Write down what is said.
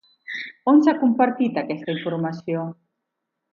On s'ha compartit aquesta informació?